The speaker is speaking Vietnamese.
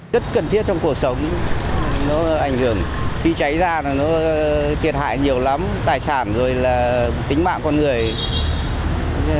rất cần thiết trong cuộc sống nó ảnh hưởng khi cháy ra nó thiệt hại nhiều lắm tài sản rồi là tính mạng con người rất cần thiết